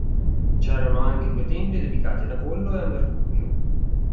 C'erano anche due templi dedicati ad Apollo e a Mercurio.